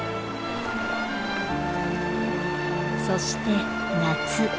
そして夏